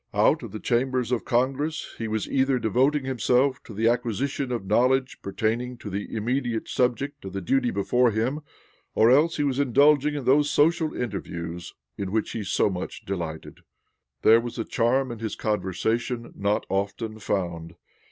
Out of the Chambers of Congress he was either devoting himself to the acquisition of knowledge pertaining to the immediate subject of the duty before him, or else he was indulging in those social interviews in which he so much delighted. "There was a charm in his conversation not often found.